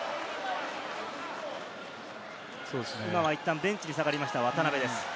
今はいったんベンチに下がりました渡邊です。